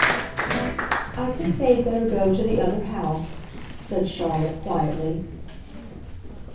"I think they had better go to the other house," said Charlotte, quietly.